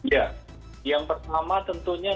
ya yang pertama tentunya